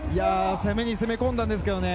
攻めに攻め込んだんですけどね。